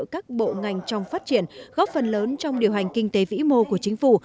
các bộ ngành trong phát triển góp phần lớn trong điều hành kinh tế vĩ mô của chính phủ